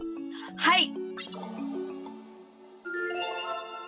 はい！